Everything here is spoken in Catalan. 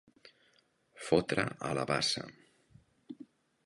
Fotre a la bassa.